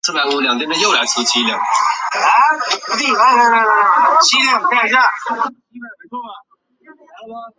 撤乡设镇后行政区域和政府驻地不变。